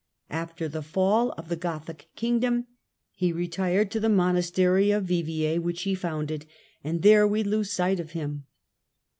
After the all of the Gothic kingdom he retired to the monastery )f Viviers, which he founded, and there we lose sight of lim.